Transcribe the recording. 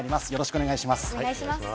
よろしくお願いします。